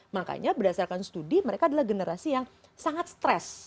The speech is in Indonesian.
makanya berdasarkan studi mereka adalah generasi yang sangat stres